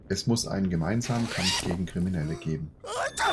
Es muss einen gemeinsamen Kampf gegen Kriminelle geben.